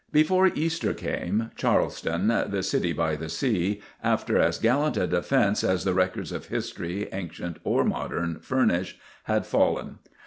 Before Easter came, Charleston, the City by the Sea, after as gallant a defence as the records of history, ancient or modern, furnish, had fallen.